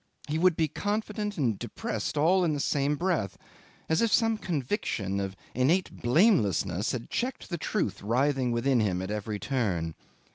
He would be confident and depressed all in the same breath, as if some conviction of innate blamelessness had checked the truth writhing within him at every turn.